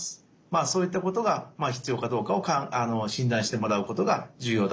まあそういったことが必要かどうかを診断してもらうことが重要だと思います。